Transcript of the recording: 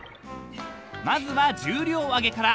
［まずは重量挙げから］